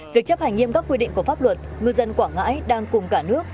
việc chấp hành nghiêm các quy định của pháp luật ngư dân quảng ngãi đang cùng cả nước